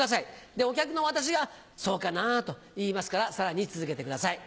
でお客の私が「そうかなぁ」と言いますからさらに続けてください。